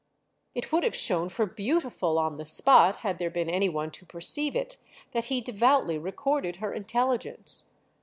It would have shown for beautiful, on the spot, had there been any one to perceive it, that he devoutly recorded her intelligence.